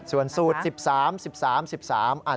ส่วนสูตร๑๓๑๓๑๓